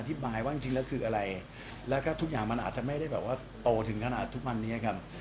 ว่าจริงแล้วคืออะไรแล้วก็ทุกอย่างมันอาจจะไม่ได้แบบว่าโตถึงขนาดทุกวันนี้ครับ